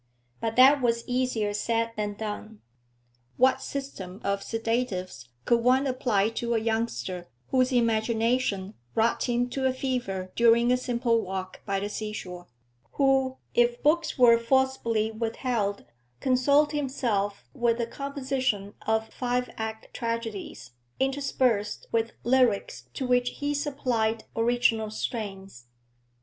But that was easier said than done. What system of sedatives could one apply to a youngster whose imagination wrought him to a fever during a simple walk by the seashore, who if books were forcibly withheld consoled himself with the composition of five act tragedies, interspersed with lyrics to which he supplied original strains?